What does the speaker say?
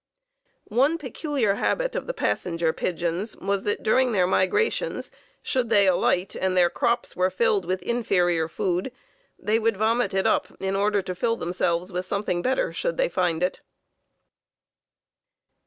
One peculiar habit of the Passenger Pigeons was that during their migrations, should they alight and their crops were filled with inferior food, they would vomit it up in order to fill themselves with something better should they find it.